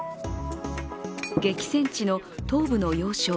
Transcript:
激戦地の東部の要衝